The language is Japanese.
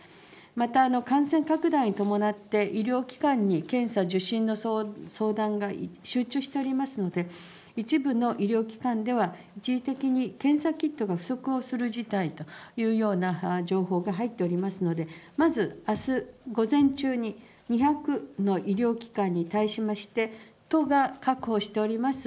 また感染拡大に伴って、医療機関に検査、受診の相談が集中しておりますので、一部の医療機関では、一時的に検査キットが不足をする事態というような情報が入っておりますので、まずあす午前中に２００の医療機関に対しまして、都が確保しております